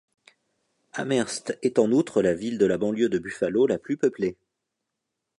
Amherst est en outre la ville de la banlieue de Buffalo la plus peuplée.